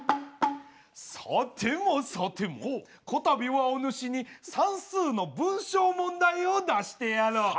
さてもさてもこたびはおぬしに算数の文章問題を出してやろう。